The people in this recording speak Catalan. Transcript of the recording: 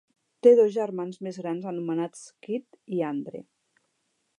Té dos germans més grans anomenats Kit i Andre.